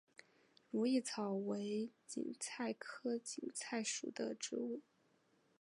如意草为堇菜科堇菜属的植物。